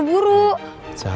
kita harus mencari putnya